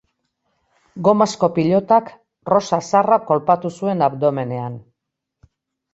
Gomazko pilotak Rosa Zarra kolpatu zuen abdomenean.